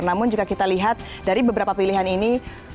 namun jika kita lihat dari beberapa pilihan ini